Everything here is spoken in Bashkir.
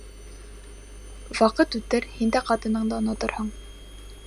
Ваҡыт үтер, һин дә ҡатыныңды оноторһоң.